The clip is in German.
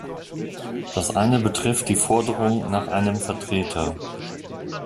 Das eine betrifft die Forderung nach einem Vertreter.